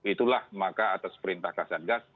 itulah maka atas perintah kasatgas